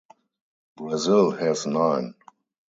Brazil has nine.